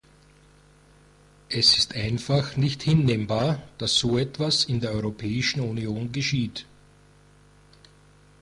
Es ist einfach nicht hinnehmbar, dass so etwas in der Europäischen Union geschieht.